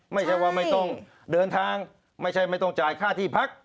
ไม่ใช่ว่าไม่ต้องเดินทางไม่ใช่ไม่ต้องจ่ายค่าที่พัก